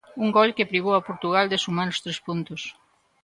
Un gol que privou a Portugal de sumar os tres puntos.